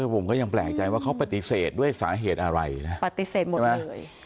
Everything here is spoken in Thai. ผมก็ยังแปลกใจว่าเขาปฏิเสธด้วยสาเหตุอะไรนะปฏิเสธหมดเลย